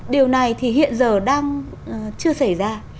điều này thì hiện giờ đang chưa xảy ra